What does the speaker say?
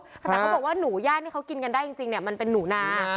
แต่เขาบอกว่าหนูย่างที่เขากินกันได้จริงมันเป็นหนูนา